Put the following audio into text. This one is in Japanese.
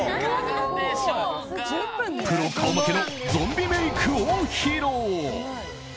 プロ顔負けのゾンビメイクを披露。